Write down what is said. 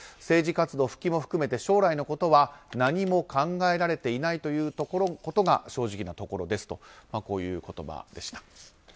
政治活動復帰も含めて将来のことは何も考えられていないということが正直なところですとこういう言葉でした。